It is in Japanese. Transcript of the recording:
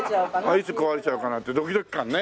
いつ壊れちゃうかなってドキドキ感ね。